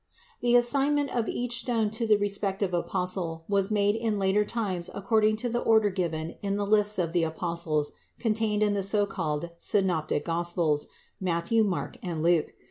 The assignment of each stone to the respective apostle was made in later times according to the order given in the lists of the apostles contained in the so called Synoptic Gospels, Matthew, Mark, and Luke.